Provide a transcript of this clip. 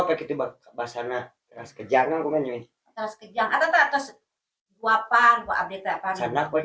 tadi tidak sehat di rumah sakit tamu dan